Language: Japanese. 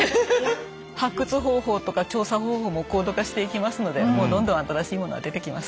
発掘方法とか調査方法も高度化していきますのでもうどんどん新しいものは出てきます。